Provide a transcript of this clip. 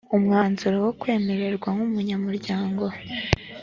umwanzuro wo kwemererwa nk’umunyamuryango